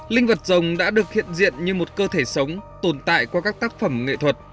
linh vật rồng đã được hiện diện như một cơ thể sống tồn tại qua các tác phẩm nghệ thuật